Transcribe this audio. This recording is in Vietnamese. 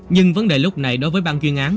nhưng vấn đề lúc này đối với ban quyên án